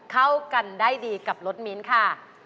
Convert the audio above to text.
เข้ากันได้ดีกับรสมิ้นค่ะ